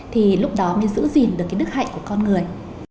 thì lúc đó mới giữ gìn được cái đức hạnh của con người